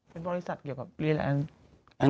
เป็นบริษัทเกี่ยวกับเรียนแอนด์